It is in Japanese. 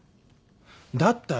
だったら。